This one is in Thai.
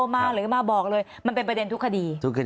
มันเป็นประเด็นทุกคดี